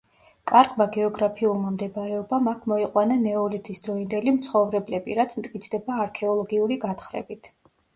კარგმა გეოგრაფიულმა მდებარეობამ აქ მოიყვანა ნეოლითის დროინდელი მცხოვრებლები, რაც მტკიცდება არქეოლოგიური გათხრებით.